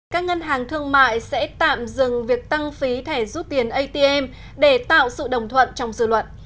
các ngân hàng thương mại sẽ tạm dừng việc tăng phí thẻ rút tiền atm để tạo sự đồng thuận trong dự luận